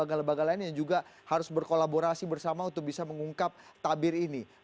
beberapa lembaga lembaga lainnya juga harus berkolaborasi bersama untuk bisa mengungkap tabir ini